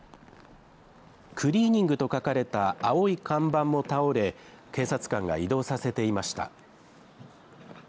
クリーニングと書かれた青い看板も倒れ、警察官が移動させていました。